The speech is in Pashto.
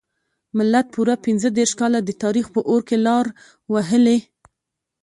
ملت پوره پنځه دیرش کاله د تاریخ په اور کې لار وهلې.